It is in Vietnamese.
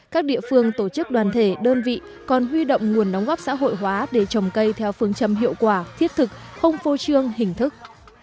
các địa phương tổ chức đoàn thể đơn vị còn huy động nguồn đóng góp xã hội hóa để trồng cây theo phương châm hiệu quả thiết thực không phô trương hình thức